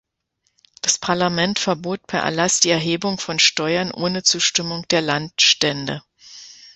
Das Parlament verbot per Erlass die Erhebung von Steuern ohne Zustimmung der Landstände.